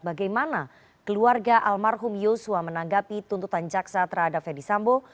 bagaimana keluarga almarhum yosua menanggapi tuntutan jaksa terhadap ferdisambo